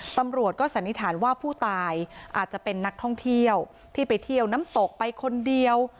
ตำรวจก็สันนิษฐานว่าผู้ตายอาจจะเป็นนักท่องเที่ยวที่ไปเที่ยวน้ำตกไปคนเดียว